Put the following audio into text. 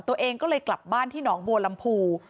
ตัวเองก็เลยกลับบ้านที่หนองบัวลำพู